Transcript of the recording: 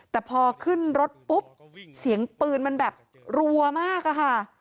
แต่พอขึ้นรถปุ๊บเสียงปืนมันแบบรัวมากอะค่ะ